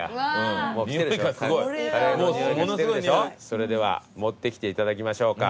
それでは持ってきていただきましょうか。